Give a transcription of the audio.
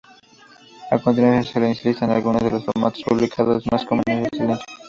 A continuación se enlistan algunos de los formatos publicados más comunes del sencillo.